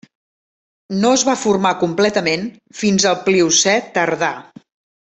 No es va formar completament fins al Pliocè tardà.